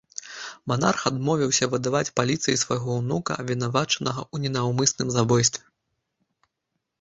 Манарх адмовіўся выдаваць паліцыі свайго ўнука, абвінавачанага ў ненаўмысным забойстве.